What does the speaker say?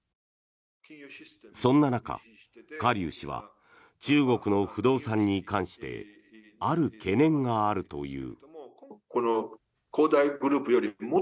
そんな中、カ・リュウ氏は中国の不動産に関してある懸念があるという。